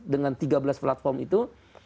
dengan tiga belas platform itu